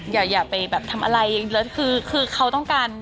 อย่าไปแบบทำอะไรแล้วคือเขาต้องการ